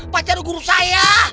pacar guru saya